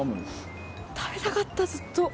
食べたかった、ずっと。